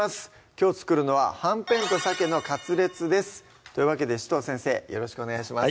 きょう作るのは「はんぺんとサケのカツレツ」ですというわけで紫藤先生よろしくお願いします